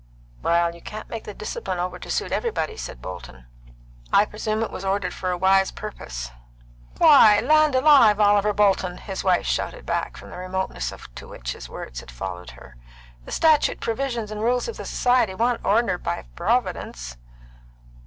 "Well, you can't make the discipline over to suit everybody," said Bolton. "I presume it was ordered for a wise purpose." "Why, land alive, Oliver Bolton," his wife shouted back from the remoteness to which his words had followed her, "the statute provisions and rules of the Society wa'n't ordered by Providence."